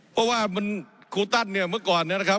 เพราะว่ามันครูตันเนี่ยเมื่อก่อนเนี่ยนะครับ